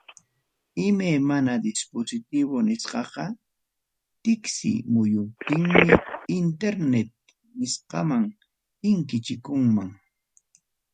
Imay mana dispositivo nisqaqa tiksimuyuntinpim internet nisqaman tinkichikunman.